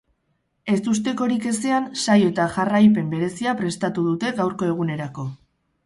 Ezustekorik ezean, saio eta jarraipen berezia prestatu dute gaurko egunerako.